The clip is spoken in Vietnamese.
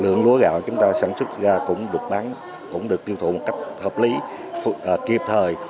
lượng lúa gạo chúng ta sản xuất ra cũng được bán cũng được tiêu thụ một cách hợp lý kịp thời